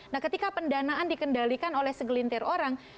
nah ketika pendanaan dikendalikan oleh segelintir orang